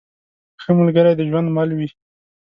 ښه ملګری د ژوند مل وي.